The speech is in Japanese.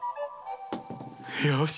よし！